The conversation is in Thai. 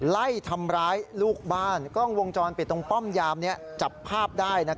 ไล่ทำร้ายลูกบ้านกล้องวงจรปิดตรงป้อมยามนี้จับภาพได้